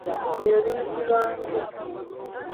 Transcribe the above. Ebyo biyitibwa nku.